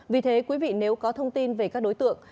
vì thế quý vị nếu có thông tin về các đối tượng